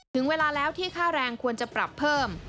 ถึงเวลาแล้วที่ค่าแรงควรจะปรับเพิ่ม